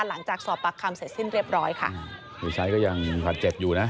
หลังจากสอบปากคำเสร็จสิ้นเรียบร้อยค่ะคือซ้ายก็ยังบาดเจ็บอยู่นะ